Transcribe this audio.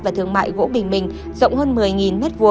và thương mại gỗ bình minh rộng hơn một mươi m hai